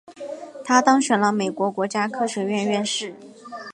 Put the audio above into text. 他当选了美国国家科学院院士。